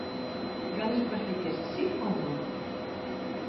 Grandes superficies, si ou non?